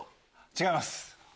違います。